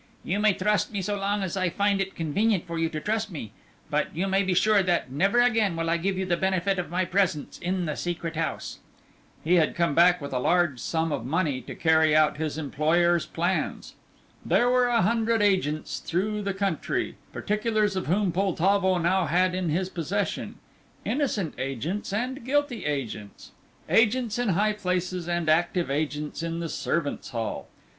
"You may trust me just so long as I find it convenient for you to trust me, but you may be sure that never again will I give you the benefit of my presence in the Secret House." He had come back with a large sum of money to carry out his employer's plans. There were a hundred agents through the country, particulars of whom Poltavo now had in his possession. Innocent agents, and guilty agents; agents in high places and active agents in the servants' hall.